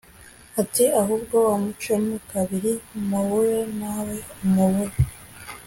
ati “Ahubwo bamucemo kabiri, mubure nawe umubure”